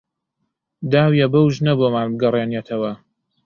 داویە بەو ژنە بۆمان بگەڕێنێتەوە